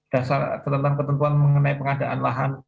dasar tentang ketentuan mengenai pengadaan lahan